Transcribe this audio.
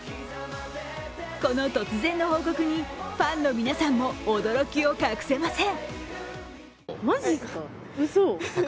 この突然の報告にファンの皆さんも驚きを隠せません。